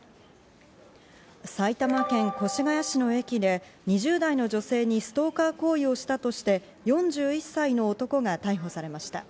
埼玉県越谷市の駅で２０代の女性にストーカー行為をしたとして、４１歳の男が逮捕されました。